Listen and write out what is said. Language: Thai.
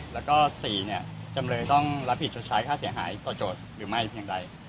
แล้วก็๔จำเลยต้องรับผิดชดใช้ค่าเสียหายต่อโจทย์หรือไม่เพียงใด